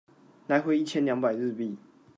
來回一千兩百日幣